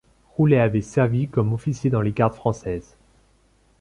Roullet avait servi comme officier dans les gardes françaises.